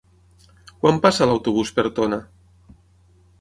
Quan passa l'autobús per Tona?